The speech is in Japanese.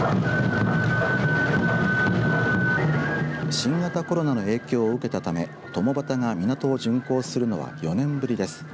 新型コロナの影響を受けたためとも旗が港を巡行するのは４年ぶりです。